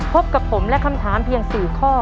พบกับผมและคำถามเพียง๔ข้อ